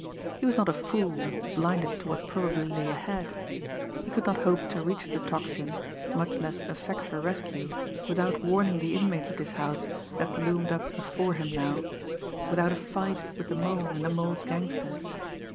He was not a fool, blinded to what probably lay ahead! He could not hope to reach the Tocsin, much less effect her rescue, without warning the inmates of this house that loomed up before him now, without a fight with the Mole and the Mole's gangsters.